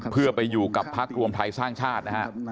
เพื่อไปอยู่กับพักรวมไทยสร้างชาตินะฮะ